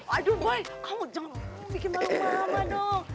aduh boy kamu jangan bikin malu mama dong